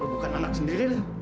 lu bukan anak sendiri